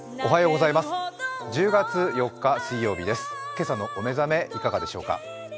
けさのお目覚めいかがでしょうか。